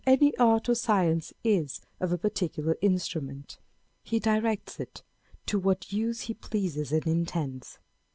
any art or science is of a particular instrument ; he directs it to what use he pleases and intends.